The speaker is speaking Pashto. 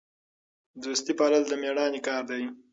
دوستي پالل د میړانې کار دی.